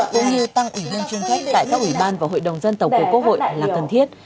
cũng như tăng ủy viên trung trách tại các ủy ban và hội đồng dân tổng của quốc hội là cần thiết